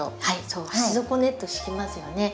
そう鉢底ネット敷きますよね。